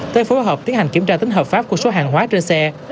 tới phối hợp tiến hành kiểm tra tính hợp pháp của số hàng hóa trên xe